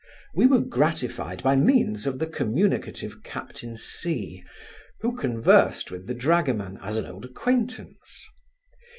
We were gratified by means of the communicative captain C , who conversed with the dragoman, as an old acquaintance.